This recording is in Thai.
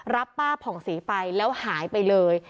ป้าผ่องศรีไปแล้วหายไปเลย